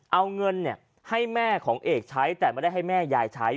เอาเงินให้แม่ของเอกใช้แต่ไม่ได้ให้แม่ยายใช้